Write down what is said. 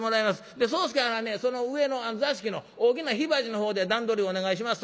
で宗助はんはねその上の座敷の大きな火鉢の方で段取りお願いしますわ。